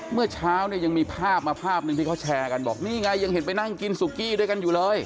เมื่อเช้าเนี่ยยังมีภาพมาภาพหนึ่งที่เขาแชร์กันบอกนี่ไงยังเห็นไปนั่งกินสุกี้ด้วยกันอยู่เลย